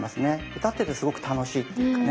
歌っててすごく楽しいっていうかね。